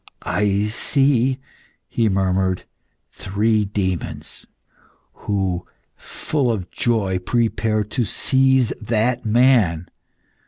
"I see," he murmured, "three demons, who, full of joy, prepare to seize that man.